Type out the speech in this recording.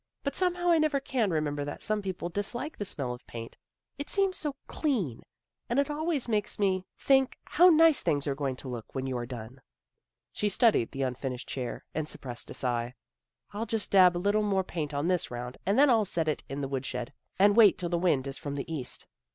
" But somehow I never can remember that some people dislike the smell of paint. It seems so clean, and it always makes me think 56 THE GIRLS OF FRIENDLY TERRACE how nice things are going to look when you are done." She studied the unfinished chair, and suppressed a sigh. " I'll just dab a little more paint on this round, and then I'll set it in the woodshed and wait till the wind is from the east."